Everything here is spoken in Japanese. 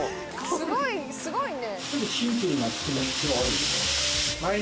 すごいね。